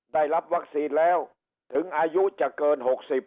ได้รับวัคซีนแล้วถึงอายุจะเกิน๖๐